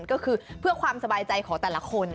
ก็คือเพื่อความสบายใจของแต่ละคน